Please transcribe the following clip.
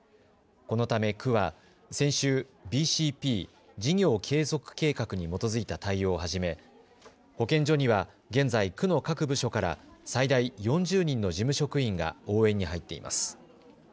このため区は先週、ＢＣＰ・事業継続計画に基づいた対応を始め保健所には現在、区の各部署から最大４０人の事務職員が応援に入っています。